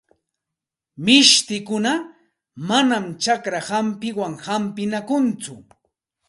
Mishtikuna manam chakra hampiwan hampinakunchu.